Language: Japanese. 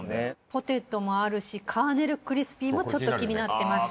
ポテトもあるしカーネルクリスピーもちょっと気になってます。